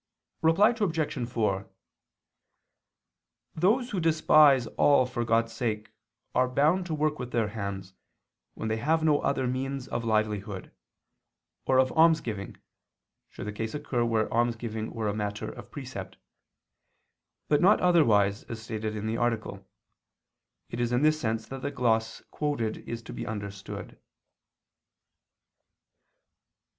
Reply Obj. 4: Those who despise all for God's sake are bound to work with their hands, when they have no other means of livelihood, or of almsgiving (should the case occur where almsgiving were a matter of precept), but not otherwise, as stated in the Article. It is in this sense that the gloss quoted is to be understood.